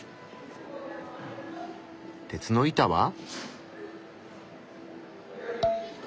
鉄の板は？